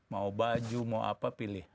mau baju mau apa pilih